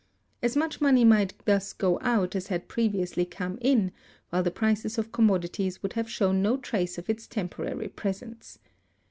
As much money might thus go out as had previously come in, while the prices of commodities would have shown no trace of its temporary presence.